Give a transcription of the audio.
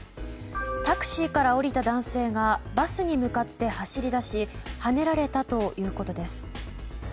タクシーから降りた男性がバスに向かって走りだしはねられたということです。